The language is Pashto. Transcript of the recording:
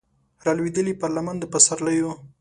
رالویدلې پر لمن د پسرلیو